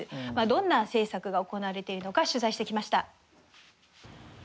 どんな政策が行われているのか取材してきました。